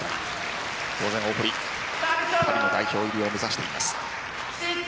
当然、大堀パリの代表入りを目指しています